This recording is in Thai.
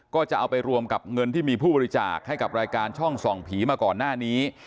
ก็จะเอาไปรวมกับเงินที่มีผู้บริจาคให้กับรายการช่องส่องผีมาก่อนหน้านี้